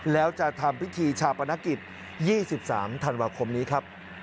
แล้วจะทำพิธีชาปนกิจ๒๓ธันวาคมนี้ครับ